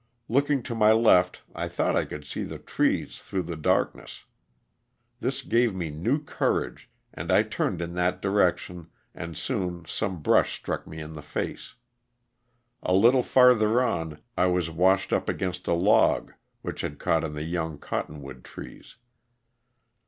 Looking to my left I thought I could see the trees through the darkness. This gave me new courage and I turned in that direc tion and soon some brush struck me in the face. A little farther on I was washed up against a log which had caught in the young cotton wood trees.